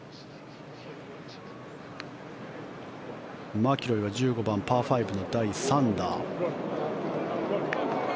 マキロイは１５番、パー５の第３打。